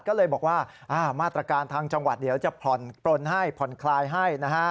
ก็เลยบอกว่ามาตรการทางจังหวัดเดี๋ยวจะผ่อนปลนให้ผ่อนคลายให้นะฮะ